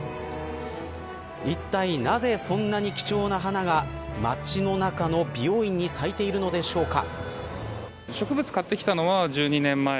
いったいなぜ、そんなに貴重な花が街の中の美容院に咲いているのでしょうか。